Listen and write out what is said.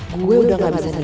gua udah ga bisa nikah